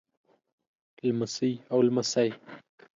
لمسۍ او لمسى